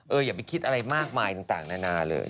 อย่าไปคิดอะไรมากมายต่างนานาเลย